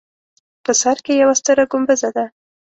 په سر کې یوه ستره ګومبزه ده.